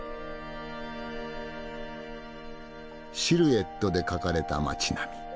シルエットで描かれた街並み。